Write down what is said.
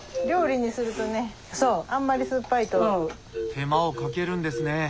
手間をかけるんですね。